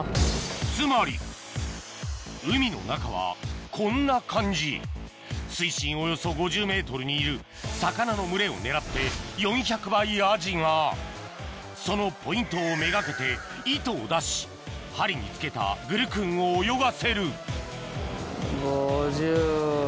つまり海の中はこんな感じ水深およそ５０ｍにいる魚の群れを狙って４００倍アジがそのポイントをめがけて糸を出し針に付けたグルクンを泳がせる５０。